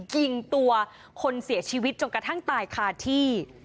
ยิงตัวคนเสียชีวิตจนกระทั่งตายคาที่